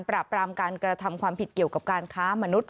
ปรามการกระทำความผิดเกี่ยวกับการค้ามนุษย